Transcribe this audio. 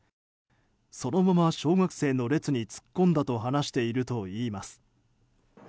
そのまま小学生の列に突っ込んだと話しているといいます。